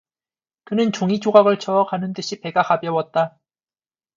그는 종이 조각을 저어 가는 듯이 배가 가벼웠다.